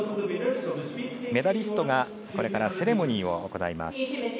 メダリストがこれからセレモニーを行います。